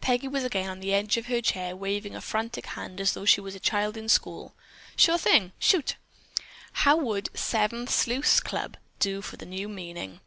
Peggy was again on the edge of her chair waving a frantic hand as though she were a child in school. "Sure thing! Shoot!" "How would 'Seven Sleuths' Club' do for the new meaning?"